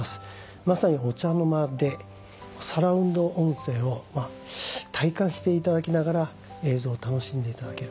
まさにお茶の間でサラウンド音声を体感していただきながら映像を楽しんでいただける。